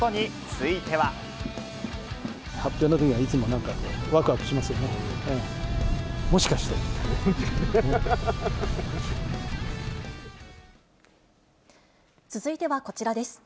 続いてはこちらです。